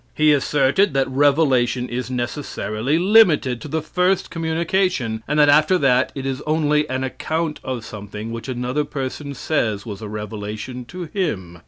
He asserted that revelation is necessarily limited to the first communication, and that after that it is only an account of something which another person says was a revelation to him.